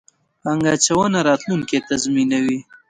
پانګه اچونه، راتلونکی تضمینوئ